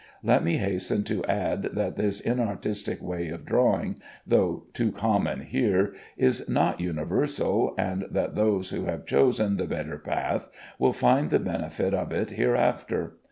Let me hasten to add that this inartistic way of drawing (though too common here) is not universal, and that those who have chosen the better path will find the benefit of it hereafter.